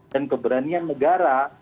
dan keberanian negara